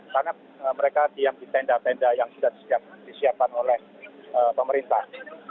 karena mereka diam di tenda tenda yang tidak disiapkan oleh pemerintah